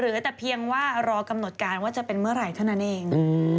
เหลือแต่เพียงว่ารอกำหนดการว่าจะเป็นเมื่อไหร่เท่านั้นเอง